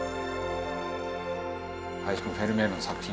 林くんフェルメールの作品